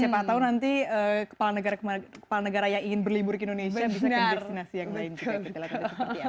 siapa tahu nanti kepala negara kepala negara yang ingin berlibur ke indonesia bisa bikin destinasi yang lain juga